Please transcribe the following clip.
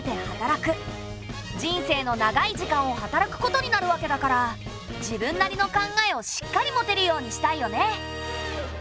人生の長い時間を働くことになるわけだから自分なりの考えをしっかり持てるようにしたいよね。